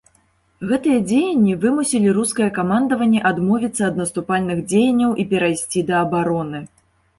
Гэтыя дзеянні вымусілі рускае камандаванне адмовіцца ад наступальных дзеянняў і перайсці да абароны.